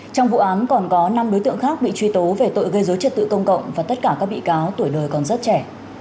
trong vụ án còn có năm đối tượng khác bị truy tố về tội gây dối trật tự công cộng và tất cả các bị cáo tuổi đời còn rất trẻ